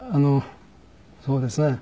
そうですね。